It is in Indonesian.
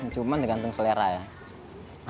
cuma digantung selera ya